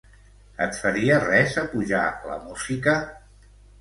Et faria res apujar la música?